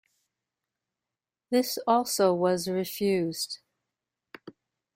This also was refused.